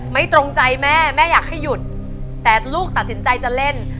ตรงใจแม่แม่อยากให้หยุดแต่ลูกตัดสินใจจะเล่น